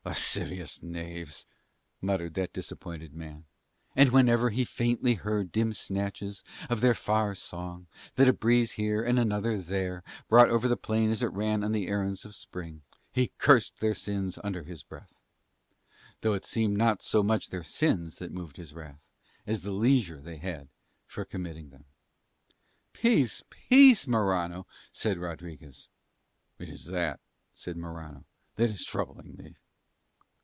"Lascivious knaves," muttered that disappointed man. And whenever he faintly heard dim snatches of their far song that a breeze here, and another there, brought over the plain as it ran on the errands of Spring, he cursed their sins under his breath. Though it seemed not so much their sins that moved his wrath as the leisure they had for committing them. "Peace, peace, Morano," said Rodriguez. "It is that," said Morano, "that is troubling me."